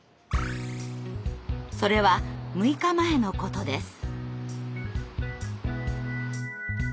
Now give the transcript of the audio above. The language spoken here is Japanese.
それは６日前のことです。